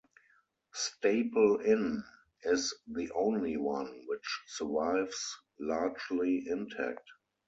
Staple Inn is the only one which survives largely intact.